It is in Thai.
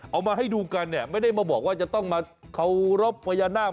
เอามาให้ดูกันเนี่ยไม่ได้มาบอกว่าจะต้องมาเคารพพญานาค